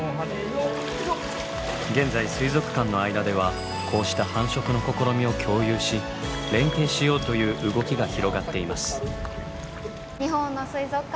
現在水族館の間ではこうした繁殖の試みを共有し連携しようという動きが広がっています。